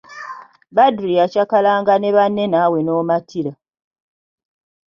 Badru yakyakalanga ne banne naawe n'omatira.